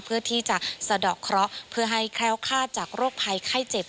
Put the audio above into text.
เพื่อที่จะสะดอกเคราะห์เพื่อให้แคล้วคาดจากโรคภัยไข้เจ็บ